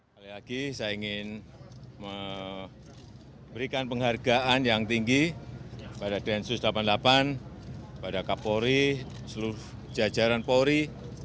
sekali lagi saya ingin memberikan penghargaan yang tinggi pada densus delapan puluh delapan pada kapolri seluruh jajaran polri